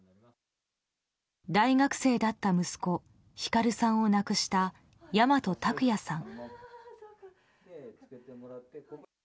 大学生だった息子晃さんを亡くした大和卓也さん。